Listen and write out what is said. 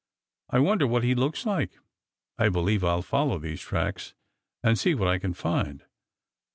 I wonder what he looks like. I believe I'll follow these tracks and see what I can find."